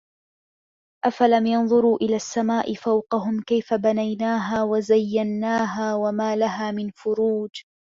أَفَلَم يَنظُروا إِلَى السَّماءِ فَوقَهُم كَيفَ بَنَيناها وَزَيَّنّاها وَما لَها مِن فُروجٍ